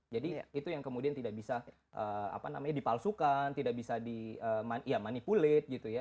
jadi itu yang kemudian tidak bisa dipalsukan tidak bisa di manipulasi gitu ya